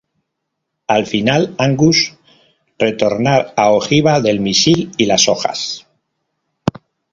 Al final, Angus retornar a ojiva del misil y las hojas.